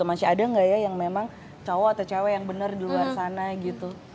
masih ada nggak ya yang memang cowok atau cewek yang bener di luar sana gitu